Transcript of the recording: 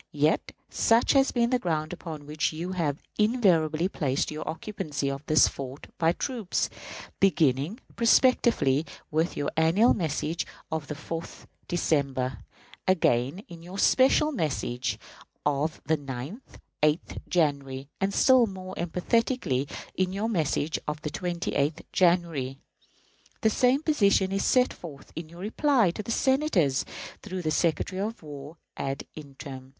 Yet such has been the ground upon which you have invariably placed your occupancy of this fort by troops; beginning, prospectively, with your annual message of the 4th December; again in your special message of the 9th (8th) January, and still more emphatically in your message of the 28th January. The same position is set forth in your reply to the Senators, through the Secretary of War ad interim.